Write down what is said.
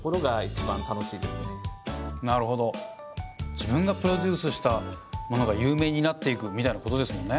自分がプロデュースしたものが有名になっていくみたいなことですもんね。